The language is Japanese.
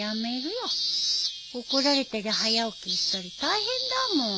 怒られたり早起きしたり大変だもん。